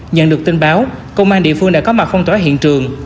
nhận được tin báo công an địa phương đã có mặt phong tỏa hiện trường